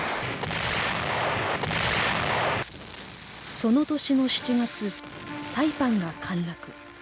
その年の７月サイパンが陥落。